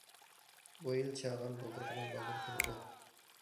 بۇ يىل چاغان بۇلتۇرقىدىن بالدۇر كېلىدۇ.